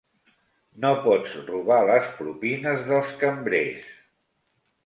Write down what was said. No pots robar les propines dels cambrers!